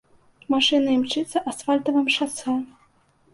Машына імчыцца асфальтавым шасэ.